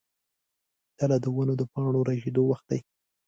تله د ونو د پاڼو ژیړیدو وخت دی.